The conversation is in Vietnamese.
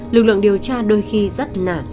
lực lượng điều tra đôi khi rất nản